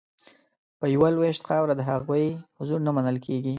په یوه لوېشت خاوره د هغوی حضور نه منل کیږي